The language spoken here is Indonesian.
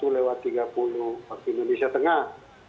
lewat tiga puluh waktu indonesia tengah